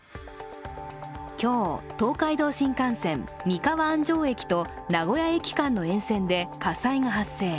今日、東海道新幹線・三河安城駅と名古屋駅間の沿線で火災が発生。